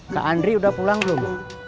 kak andri udah pulang belum